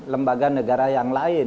lembaga negara yang lain